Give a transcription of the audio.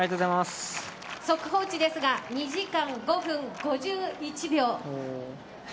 速報値ですが２時間５分５１秒。